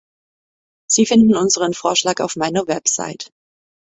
Sie finden unseren Vorschlag auf meiner Website.